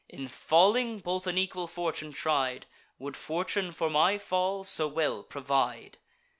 In falling, both an equal fortune tried; Would fortune for my fall so well provide!"